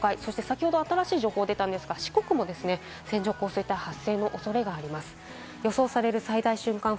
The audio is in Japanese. あすにかけて近畿や東海、先ほど新しい情報出たんですが、四国も線状降水帯発生のおそれがあります。